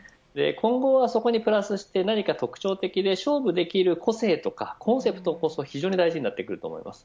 そこに暮らして特徴的で勝負できる個性とかコンセプトが非常に大事になってくると思います。